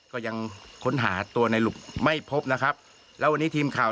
ก็ยังค้นหาตัวในหลุบไม่พบนะครับแล้ววันนี้ทีมข่าว